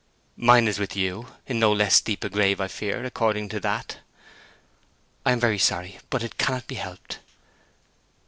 "Mine is with you—in no less deep a grave, I fear, according to that." "I am very sorry; but it cannot be helped."